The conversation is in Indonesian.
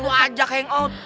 lu ajak hangout